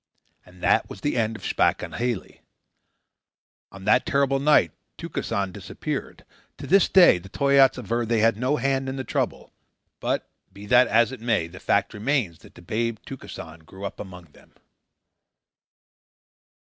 And that was the end of Shpack and Halie. On that terrible night Tukesan disappeared. To this day the Toyaats aver they had no hand in the trouble; but, be that as it may, the fact remains that the babe Tukesan grew up among them.